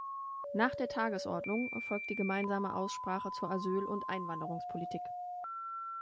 Nach der Tagesordnung folgt die gemeinsame Aussprache zur Asyl- und Einwanderungspolitik.